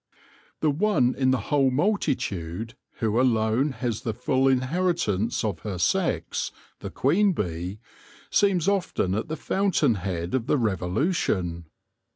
The one in the whole multitude who alone has the full inheritance of her sex, the queen bee, seems often at the fountain head of the revolution.